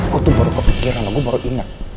gue tuh baru kepikiran gue baru inget